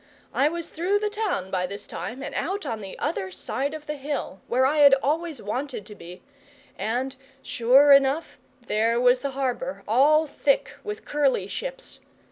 I was through the town by this time, and out on the other side of the hill, where I had always wanted to be; and, sure enough, there was the harbour, all thick with curly ships.